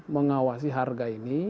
mengawasi harga ini